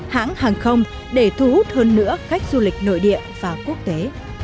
hãng hàng không để thu hút hơn nữa khách du lịch nội địa và quốc tế